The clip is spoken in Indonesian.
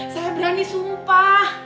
saya berani sumpah